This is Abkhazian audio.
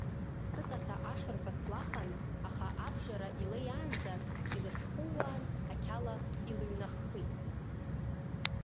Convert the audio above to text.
Сыкаҭа ашырҳәа слахан, аха абжара илеиаанӡа, илсхууаан ақьала илыҩнаххит.